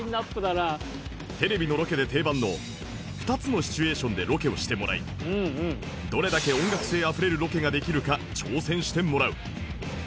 テレビのロケで定番の２つのシチュエーションでロケをしてもらいどれだけ音楽性あふれるロケができるか挑戦してもらう